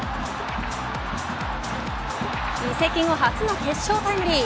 移籍後初の決勝タイムリー